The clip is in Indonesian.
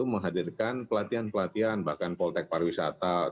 menghadirkan pelatihan pelatihan bahkan poltek pariwisata